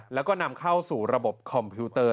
แล้วก็นำเข้าสู่ระบบคอมพิวเตอร์